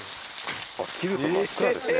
切ると真っ暗ですね。